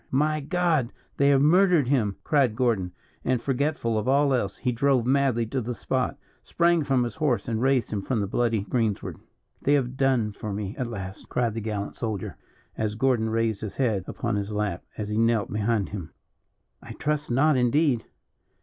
"My God! they have murdered him!" cried Gordon; and forgetful of all else, he drove madly to the spot, sprang from his horse, and raised him from the bloody greensward. "They have done for me at last," cried the gallant soldier, as Gordon raised his head upon his lap, as he knelt behind him. "I trust not, indeed."